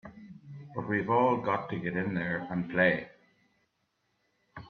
But we've all got to get in there and play!